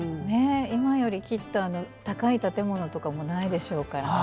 今よりきっと高い建物とかもないでしょうから。